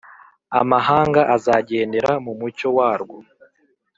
Amahanga azagendera mu mucyo warwo,